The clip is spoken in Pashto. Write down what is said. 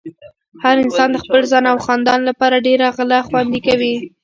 هر انسان د خپل ځان او خاندان لپاره ډېره غله خوندې کوي۔